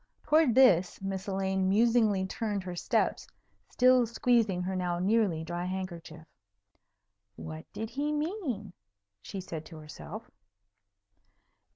Towards this Miss Elaine musingly turned her steps, still squeezing her now nearly dry handkerchief. "What did he mean?" she said to herself.